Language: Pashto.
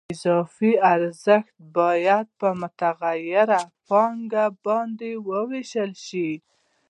اضافي ارزښت باید په متغیره پانګه باندې ووېشل شي